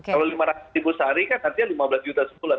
kalau lima ratus ribu sehari kan artinya lima belas juta sebulan